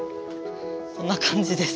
こんな感じです。